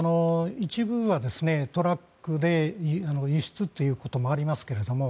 一部はトラックで輸出ということもありますけども